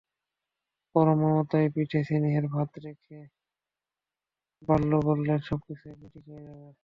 পরম মমতায়, পিঠে স্নেহের হাত রেখে বার্লো বললেন, সবকিছু একদিন ঠিক হয়ে যাবে।